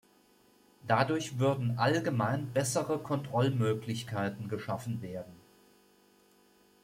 Dadurch würden allgemein bessere Kontrollmöglichkeiten geschaffen werden.